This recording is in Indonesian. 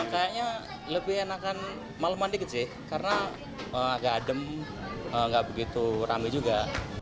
kayaknya lebih enakan malam mandi kecil karena agak adem gak begitu rame juga